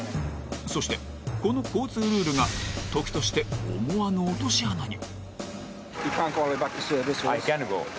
そして、この交通ルールが時として思わぬ落とし穴に。